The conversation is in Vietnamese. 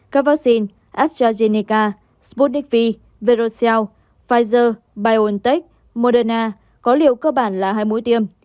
các vaccine astrazeneca sputnik v verocell pfizer biontech moderna có liều cơ bản là hai mũi tiêm